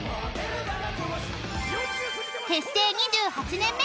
［結成２８年目］